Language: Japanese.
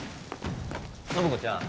暢子ちゃん